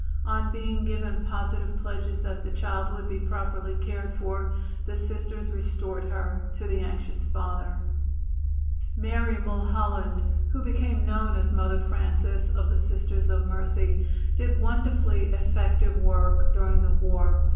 On being given positive pledges that the child would be properly cared for the Sisters restored her to the anxious father. Mary Mulholland, who became known as Mother Francis of the Sisters of Mercy, did wonderfully effective work during the war.